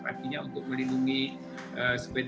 artinya untuk melindungi sepeda